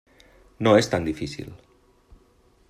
No és tan difícil.